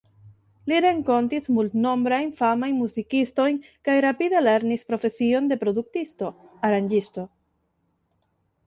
Li renkontis multnombrajn famajn muzikistojn kaj rapide lernis profesion de produktisto, aranĝisto.